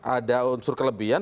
ada unsur kelebihan